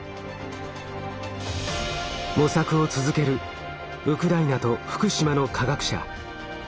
模索を続けるウクライナと福島の科学者。